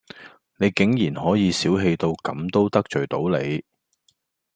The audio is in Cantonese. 你竟然可以小器到咁都得罪到你